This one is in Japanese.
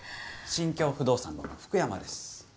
進京不動産の福山です。